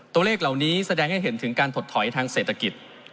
ตัวเลขเหล่านี้แสดงให้เห็นถึงการถดถอยทางเศรษฐกิจ